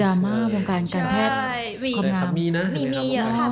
ดราม่าบางการแพทย์ขอบคุณค่ะ